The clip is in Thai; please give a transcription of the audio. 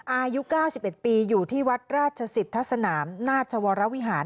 อายุ๙๑ปีอยู่ที่วัดราชสิทธสนามราชวรวิหาร